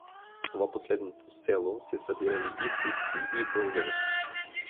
В това последното село се събирали и турци, и българи.